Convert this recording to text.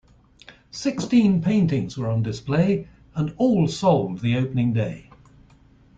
Sixteen paintings were on display and all sold the opening day.